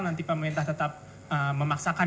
nanti pemerintah tetap memaksakan